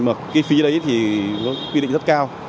cái phí đấy thì quy định rất cao